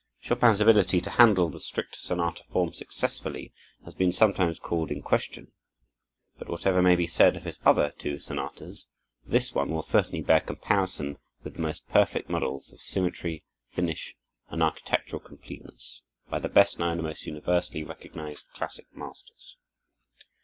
Chopin's ability to handle the strict sonata form successfully has been sometimes called in question; but whatever may be said of his other two sonatas, this one will certainly bear comparison with the most perfect models of symmetry, finish, and architectural completeness, by the best known and most universally recognized classic masters.